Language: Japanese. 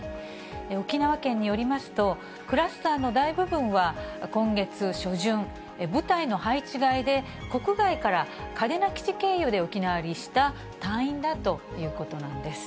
沖縄県によりますと、クラスターの大部分は、今月初旬、部隊の配置替えで国外から嘉手納基地経由で沖縄入りした隊員だということなんです。